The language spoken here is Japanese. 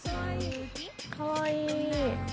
かわいい。